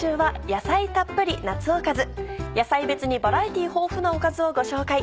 野菜別にバラエティー豊富なおかずをご紹介。